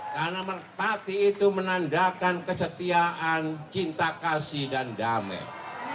karena merpati itu menandakan kesetiaan cinta kasih dan damai